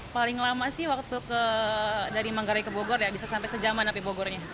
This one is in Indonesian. paling lama sih waktu dari manggarai ke bogor ya bisa sampai sejaman api bogornya